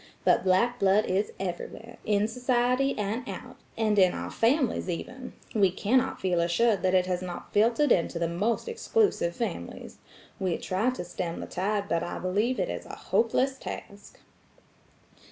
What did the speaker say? But black blood is everywhere–in society and out, and in our families even; we cannot feel assured that it has not filtered into the most exclusive families. We try to stem the tide but I believe it is a hopeless task."